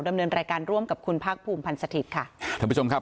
ดำเนินรายการร่วมกับคุณภาคภูมิพันธ์สถิตย์ค่ะท่านผู้ชมครับ